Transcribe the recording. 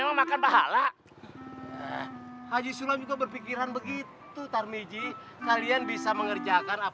maaf ye ayah datang terlambat